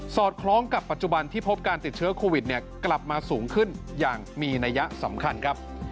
อดคล้องกับปัจจุบันที่พบการติดเชื้อโควิดกลับมาสูงขึ้นอย่างมีนัยสำคัญครับ